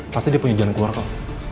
pasti dia punya jalan keluar kok